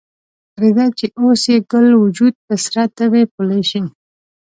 پریږده چې اوس یې ګل وجود په سره تبۍ پولۍ شي